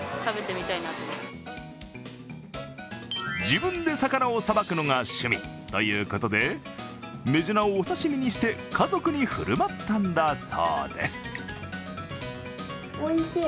自分で魚をさばくのが趣味ということでメジナをお刺身にして家族に振る舞ったんだそうです。